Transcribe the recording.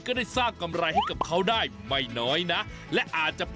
ก็ได้สร้างกำไรให้กับเขาได้ไม่น้อยนะ